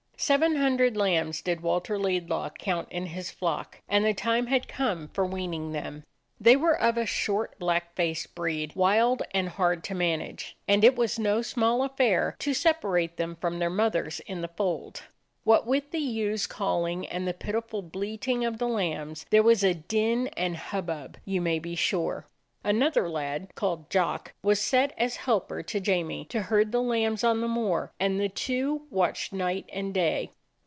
Seven hundred lambs did Walter Laidlaw count in his flock, and the time had come for weaning them. They were of a short, black faced breed, wild and hard to manage ; and it was no small affair to separate them from their mothers in the fold. What with the ewes calling and the pitiful bleating of the lambs, there was a din and hubbub, you may be sure. Another lad called Jock was set as helper to Jamie to herd the lambs on the moor, and the two watched night and day.